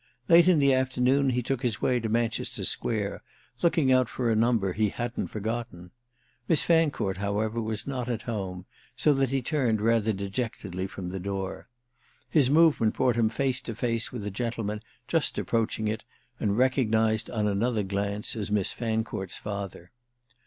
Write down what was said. Late in the afternoon he took his way to Manchester Square, looking out for a number he hadn't forgotten. Miss Fancourt, however, was not at home, so that he turned rather dejectedly from the door. His movement brought him face to face with a gentleman just approaching it and recognised on another glance as Miss Fancourt's father.